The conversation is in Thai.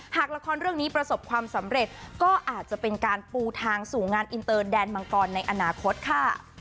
หากละครเรื่องนี้ประสบความสำเร็จก็อาจจะเป็นการปูทางสู่งานอินเตอร์แดนมังกรในอนาคตค่ะ